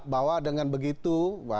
bahwa dengan begitu